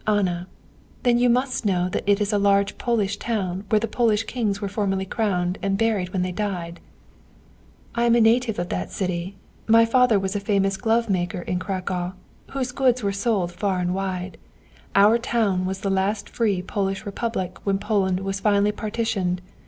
"Anna: 'Then you must know that it is a large Polish town where the Polish kings were formerly crowned and buried when they died. I am a native of that city. My father was a famous glove maker in Cracow, whose goods were sold far and wide. Our town was the last free Polish Republic when Poland was finally partitioned.